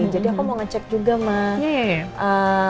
jadi aku mau ngecek juga mah